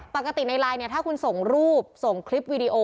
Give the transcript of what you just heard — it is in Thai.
ปกติในไลน์เนี่ยถ้าคุณส่งรูปส่งคลิปวีดีโอ